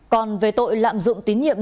còn về tội lạm dụng tín nhiệm